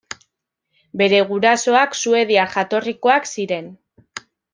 Bere gurasoak suediar jatorrikoak ziren.